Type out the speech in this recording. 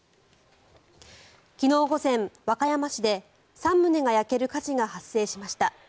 昨日午前、和歌山市で３棟が焼ける火事が発生しました。